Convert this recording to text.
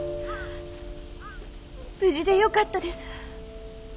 無事でよかったです。